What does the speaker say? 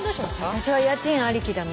私は家賃ありきだな。